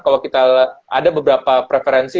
kalau kita ada beberapa preferensi